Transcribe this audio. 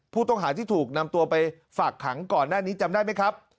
ผู้ต้องหาที่ถูกนำตัวไปฝากขังก่อนหน้านี้จำได้ไหมครับ